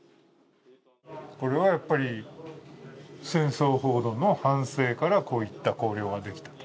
これはやっぱり戦争報道の反省から、こういった綱領ができた？